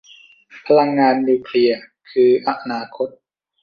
พลังงานนิวเคลียร์คืออนาคต